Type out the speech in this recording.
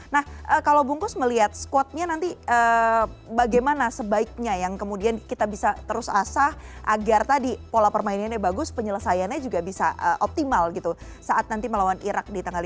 nah kalau bungkus melihat squadnya nanti bagaimana sebaiknya yang kemudian kita bisa terus asah agar tadi pola permainannya bagus penyelesaiannya juga bisa optimal gitu saat nanti melawan iraq di tanggal lima belas